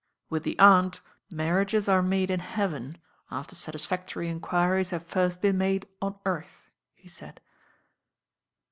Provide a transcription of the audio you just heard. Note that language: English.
"With the Aunt mar riages are made in heaven, after satisfactory enquir ies have first been made on earth," he said.